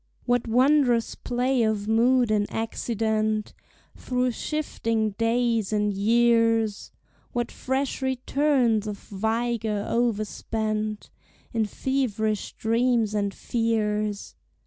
What wondrous play of mood and accident Through shifting days and years; What fresh returns of vigor overspent In feverish dreams and fears!